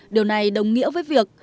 điều này đồng nghĩa với việc